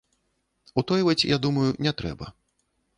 Утойваць, я думаю, не трэба.